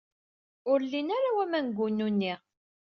Ur llin ara waman deg wanu-nni.